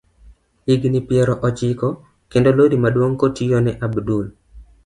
Higni piero ochiko kendo lori maduong kotiyo ne Abdul.